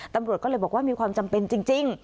ตำรวจก็เลยบอกว่ามีความจำเป็นจริง